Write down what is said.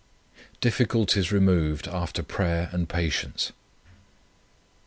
DIFFICULTIES REMOVED AFTER PRAYER AND PATIENCE.